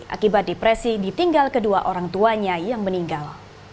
akibat depresi ditinggal kedua orang tuanya yang meninggal